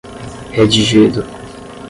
redigido